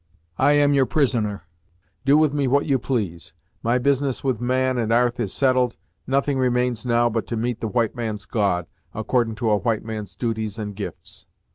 I am your prisoner; do with me what you please. My business with man and 'arth is settled; nothing remains now but to meet the white man's God, accordin' to a white man's duties and gifts."